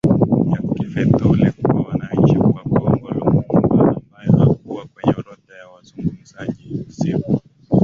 ya kifedhuli kwa wananchi wa Kongo Lumumba ambaye hakuwa kwenye orodha ya wazungumzaji siku